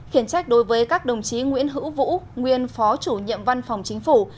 khiển trách đối với các đồng chí nguyễn hữu vũ nguyên phó chủ nhiệm văn phòng chính phủ